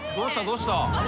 どうした？